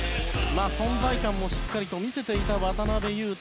存在感もしっかり見せていた渡邊雄太